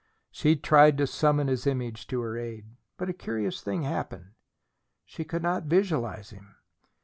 She tried to summon his image to her aid. But a curious thing happened. She could not visualize him.